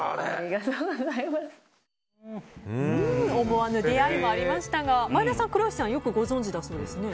思わぬ出会いもありましたが前田さん、黒石さんよくご存じだそうですね。